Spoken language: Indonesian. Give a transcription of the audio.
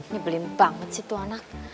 nyebelin banget sih itu anak